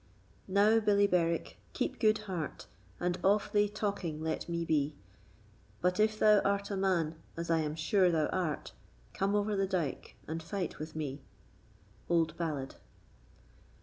Now, Billy Berwick, keep good heart, And of thy talking let me be; But if thou art a man, as I am sure thou art, Come over the dike and fight with me. Old Ballad.